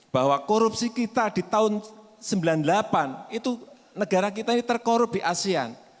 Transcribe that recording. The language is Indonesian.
bahwa korupsi kita di tahun seribu sembilan ratus sembilan puluh delapan itu negara kita ini terkorup di asean